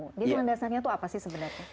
jadi dengan dasarnya itu apa sih sebenarnya